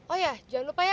oh ya jangan lupa ya